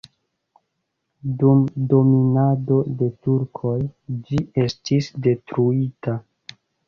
Dum dominado de turkoj ĝi estis detruita.